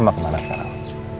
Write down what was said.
ke mana sekarang